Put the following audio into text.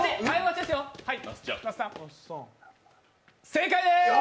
正解です！